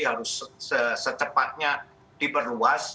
harus secepatnya diperluas